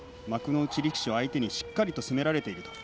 幕内力士を相手にしっかりと攻められている。